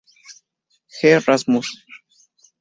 The Rasmus